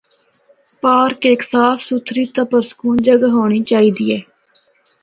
پارک ہک صاف ستھری تے پرسکون جگہ ہونڑی چاہیے دی اے۔